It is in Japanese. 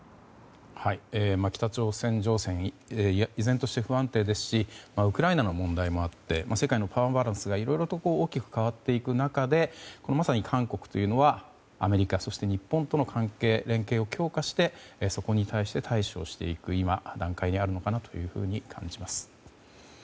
北朝鮮情勢は依然として不安定ですしウクライナの問題もあって世界のパワーバランスがいろいろと大きく変わっていく中でまさに韓国というのはアメリカ、日本との関係や連携を強化して、そこに対して対処していく段階にあるのかなと感じます。